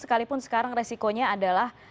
sekalipun sekarang resikonya adalah